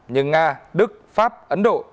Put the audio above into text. nhưng nga đức pháp ấn độ